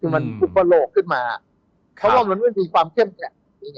คือมันอุปโลกขึ้นมาเพราะว่ามันไม่มีความเข้มเนี่ย